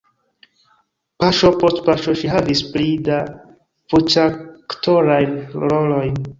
Paŝo post paŝo ŝi havis pli da voĉaktorajn rolojn.